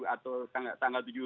tujuh atau tanggal tujuh